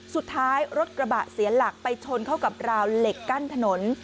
สุดท้ายรถกระบะเสียหลักไปชนเข้ากับราวเหล็กกั้นถนน